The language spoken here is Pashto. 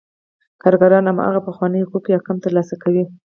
کارګران هماغه پخواني حقوق یا کم ترلاسه کوي